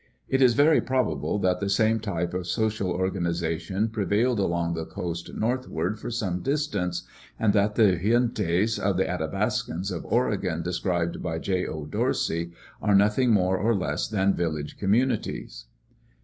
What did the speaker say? It is very probable that the same type of social organization prevailed along the coast northward for some distance, and that the gentes of the Athabascans of Oregon described by J. O. Dorsey are nothing more or less than village communities.